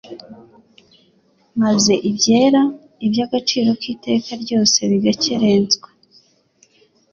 maze ibyera, iby’agaciro k’iteka ryose bigakerenswa.